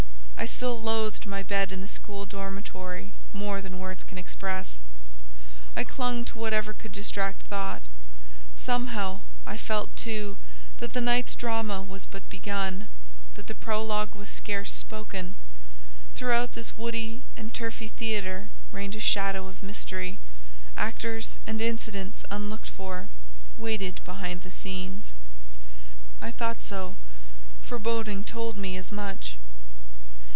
I still loathed my bed in the school dormitory more than words can express: I clung to whatever could distract thought. Somehow I felt, too, that the night's drama was but begun, that the prologue was scarce spoken: throughout this woody and turfy theatre reigned a shadow of mystery; actors and incidents unlooked for, waited behind the scenes: I thought so foreboding told me as much.